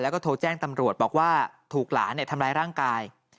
แล้วก็โทรแจ้งตำรวจบอกว่าถูกหลานทำร้ายร่างกาย